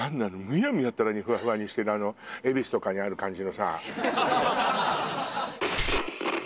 むやみやたらにフワフワにしてるあの恵比寿とかにある感じのさ